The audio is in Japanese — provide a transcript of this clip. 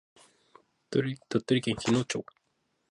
鳥取県日野町